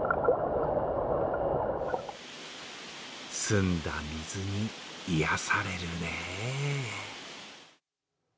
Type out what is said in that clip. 澄んだ水に癒やされるねぇ。